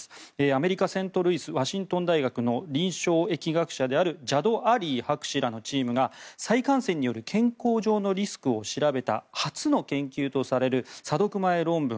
アメリカセントルイス・ワシントン大学の臨床疫学者であるジャド・アリー博士らのチームが再感染による健康上のリスクを調べた初の研究とされる査読前論文